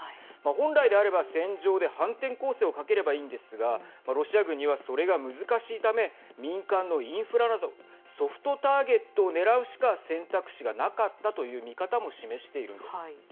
本来であれば戦場で反転攻勢をかければいいんですがロシア軍には、それが難しいため民間のインフラなどソフトターゲットを狙うしか選択肢がなかったという見方も示しているんです。